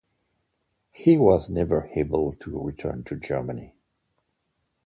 He was never able to return to Germany.